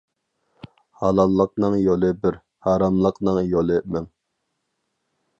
ھالاللىقنىڭ يولى بىر، ھاراملىقنىڭ يولى مىڭ.